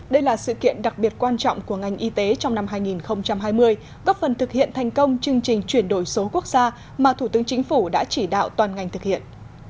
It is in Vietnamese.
đây là sự kiện đặc biệt quan trọng của ngành y tế trong năm hai nghìn hai mươi góp phần thực hiện thành công chương trình chuyển đổi số quốc gia mà thủ tướng chính phủ đã chỉ đạo toàn ngành thực hiện